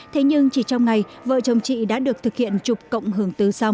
thế nhưng chỉ trong ngày vợ chồng chị đã được thực hiện chụp cộng hưởng từ xong